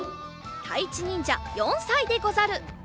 たいちにんじゃ４さいでござる。